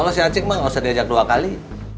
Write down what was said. kalau si anjing mah nggak usah diajak dua kali